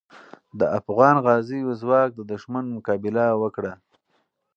د افغان غازیو ځواک د دښمن مقابله وکړه.